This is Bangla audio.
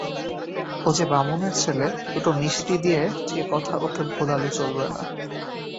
ও যে বামুনের ছেলে, দুটো মিষ্টি দিয়ে সে কথা ওকে ভোলালে চলবে না।